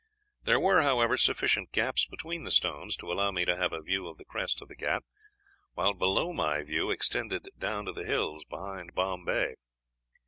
There were, however, sufficient gaps between the stones to allow me to have a view of the crest of the Ghaut, while below my view extended down to the hills behind Bombay.